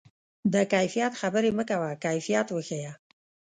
د کیفیت خبرې مه کوه، کیفیت وښیه.